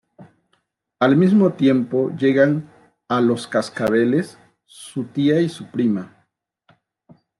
Al mismo tiempo llegan a "Los Cascabeles" su tía y su prima.